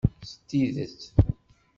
S tidet!